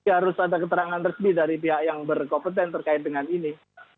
harus ada keterangan resmi dari pihak yang berkompetensi terkait dengan ini